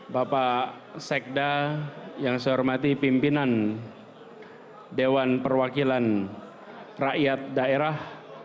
bapak sekda yang saya hormati pimpinan dewan perwakilan rakyat daerah